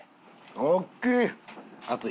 大きい！